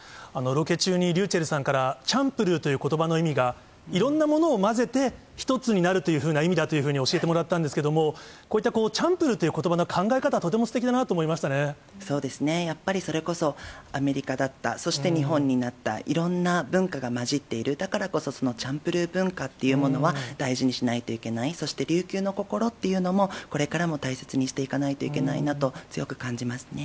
ロケ中に、ｒｙｕｃｈｅｌｌさんから、チャンプルーということばの意味が、いろんなものを混ぜて一つになるというふうな意味だというふうに教えてもらったんですけれども、こういったチャンプルーということばの考え方、とてもすてきだなそうですね、やっぱりそれこそ、アメリカだった、そして日本になった、いろんな文化が混じっている、だからこそそのチャンプルー文化っていうものは大事にしないといけない、そして琉球の心っていうのも、これからも大切にしていかないといけないなと強く感じますね。